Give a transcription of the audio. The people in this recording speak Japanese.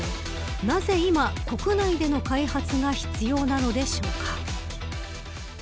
なぜ今、国内での開発が必要なのでしょうか。